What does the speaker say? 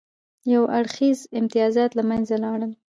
یو اړخیز امتیازات له منځه لاړل.